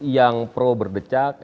yang pro berdecak